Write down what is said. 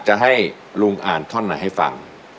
จะอ่านเนื้อเพลงต้นฉบับให้ฟังครับ